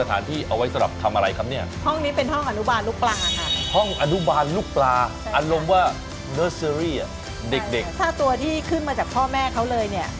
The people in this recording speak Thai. อุ๊ยอุ๊ยอุ๊ยอุ๊ยอุ๊ยอุ๊ยอุ๊ยอุ๊ยอุ๊ยอุ๊ยอุ๊ยอุ๊ยอุ๊ยอุ๊ยอุ๊ยอุ๊ยอุ๊ยอุ๊ย